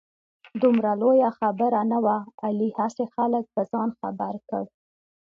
دومره لویه خبره نه وه. علي هسې خلک په ځان خبر کړ.